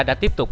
đã tiếp tục